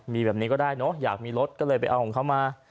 มีแบบนี้ก็ได้เนอะอยากมีรถก็เลยไปเอาของเขามา